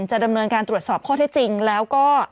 จะดำเนินการตรวจสอบข้อเท็จจริงแล้วก็